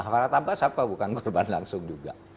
farhad ardhafas apa bukan korban langsung juga